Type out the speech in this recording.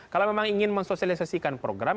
kalau memang ingin mensosialisasikan program